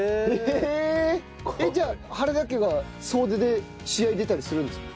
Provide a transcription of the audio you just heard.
えっじゃあ原田家が総出で試合出たりするんですか？